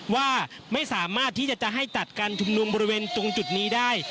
ว่าไม่สามารถที่จะให้จัดการชุมนุมบริเวณตรงจุดนี้ได้